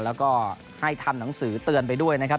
แล้วก็ให้ทำหนังสือเตือนไปด้วยนะครับ